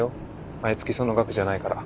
毎月その額じゃないから。